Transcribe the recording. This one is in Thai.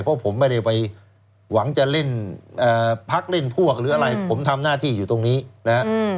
เพราะผมไม่ได้ไปหวังจะเล่นพักเล่นพวกหรืออะไรผมทำหน้าที่อยู่ตรงนี้นะฮะ